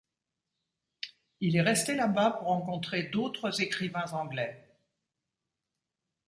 Il est resté là-bas pour rencontrer d'autres écrivains anglais.